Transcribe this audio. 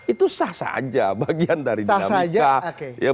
itu sah saja bagian dari dinamika